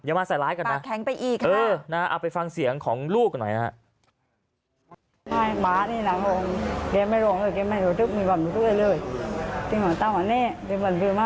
อย่ามาใส่ไลค์ก่อนนะเอาไปฟังเสียงของลูกหน่อยนะครับ